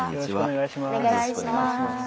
よろしくお願いします。